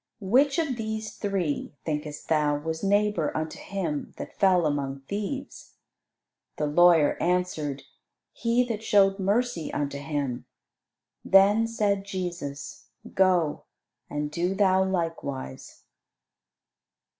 "Which of these three, thinkest thou, was neighbour unto him that fell among thieves?" The lawyer answered, "He that showed mercy unto him." Then said Jesus, "Go, and do thou likewise."